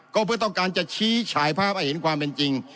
ก็เพื่อต้องการจะชี้ฉายภาพให้เห็นความเป็นจริง